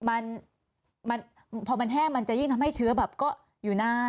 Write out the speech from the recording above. โอ้ง่ายกว่าแล้วล้างมือก็ง่ายกว่า